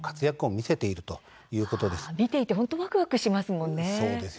見ていて本当にわくわくしますよね。